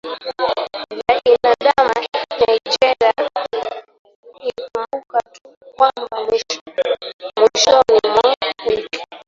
vya iandama nigeria ikumbukwa tu kwamba mwishoni mwa wiki